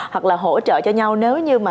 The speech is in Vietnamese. hoặc là hỗ trợ cho nhau nếu như mà